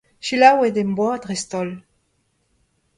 Selaouet em boa dreist-holl.